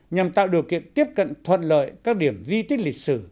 nhằm tạo điều kiện tiếp cận thuận lợi các điểm di tích lịch sử